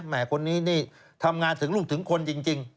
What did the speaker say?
แม่คนนี้นี่ทำงานถึงลูกถึงคนจริง